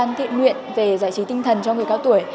dự án thiện nguyện về giải trí tinh thần cho người cao tuổi